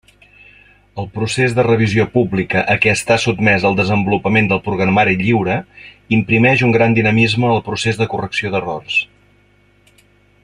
El procés de revisió pública a què està sotmès el desenvolupament del programari lliure imprimeix un gran dinamisme al procés de correcció d'errors.